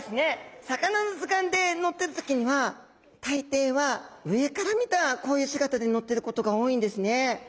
魚の図鑑で載ってる時には大抵は上から見たこういう姿で載ってることが多いんですね。